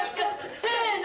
せの！